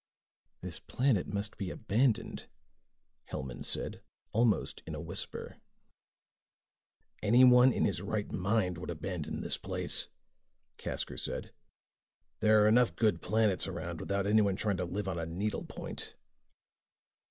"This planet must be abandoned," Hellman said almost in a whisper. "Anyone in his right mind would abandon this place," Casker said. "There're enough good planets around, without anyone trying to live on a needle point."